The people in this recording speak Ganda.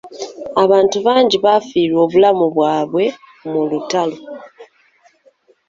Abantu bangi baafiirwa obulamu bwabwe mu lutalo.